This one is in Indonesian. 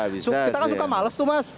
kita kan suka males tuh mas